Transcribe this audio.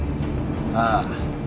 ああ。